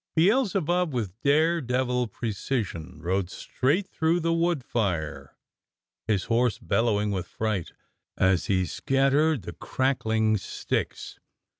Beelzebub, with daredevil precision, rode straight through the wood fire, his horse bellowing with fright as he scattered the crackling sticks.